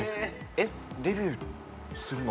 「えっデビューするの？」